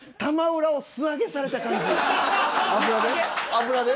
油で？